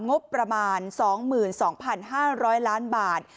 งบประมาณ๒๒๕๐๐ล้านบาท